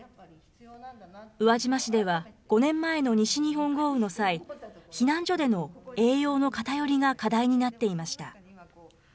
宇和島市では５年前の西日本豪雨の際、避難所での栄養の偏りが課題になっていました。